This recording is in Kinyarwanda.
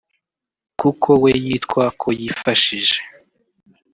kuko we yitwa ko yifashije